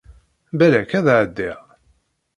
Balak, ad ɛeddiɣ!